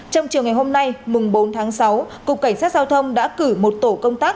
trong chiều ngày hôm nay mùng bốn tháng sáu cục cảnh sát giao thông đã cử một tổ công tác